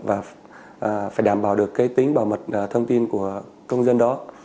và phải đảm bảo được cái tính bảo mật thông tin của công dân đó